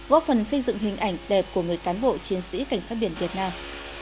góp phần xây dựng hình ảnh đẹp của người cán bộ chiến sĩ cảnh sát biển việt nam